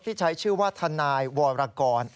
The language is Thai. ที่ใช้ชื่อว่าทนายวรกร